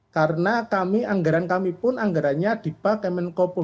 karena kami anggaran kami pun anggaranya dipakai mengkubolokan